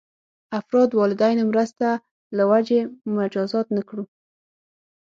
افراد والدینو مرسته له وجې مجازات نه کړو.